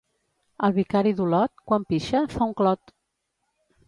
El vicari d'Olot, quan pixa, fa un clot.